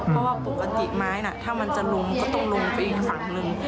เพราะว่าปกติไม้น่ะถ้ามันจะลงก็ต้องลงไปอีกฝั่งหนึ่ง